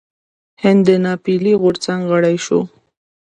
هند د ناپیيلي غورځنګ غړی شو.